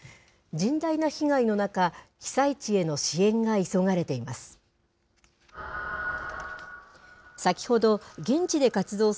甚大な被害の中、被災地への支援が急がれています。